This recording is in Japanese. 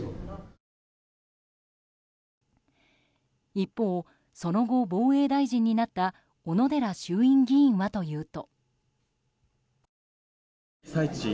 一方その後、防衛大臣になった小野寺衆院議員はというと。